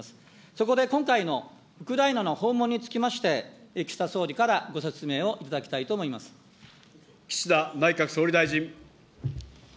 そこで今回のウクライナの訪問につきまして、岸田総理からご説明岸田内閣総理大臣。